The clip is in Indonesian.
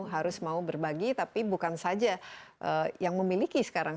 harus mau berbagi tapi bukan saja yang memiliki sekarang